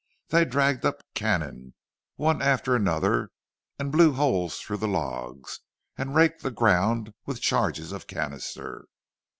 They dragged up cannon, one after another, and blew holes through the logs, and raked the' ground with charges of canister.